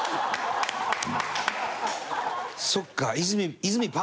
そっか。